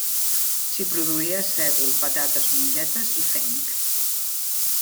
S'hi produïa sègol, patates, mongetes i fenc.